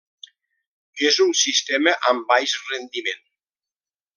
És un sistema amb baix rendiment.